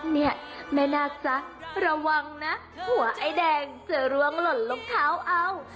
เนี่ยแม่นาคจ๊ะระวังนะหัวไอ้แดงจะร่วงหล่นลงเท้าเอา